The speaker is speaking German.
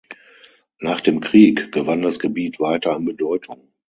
Nach dem Krieg gewann das Gebiet weiter an Bedeutung.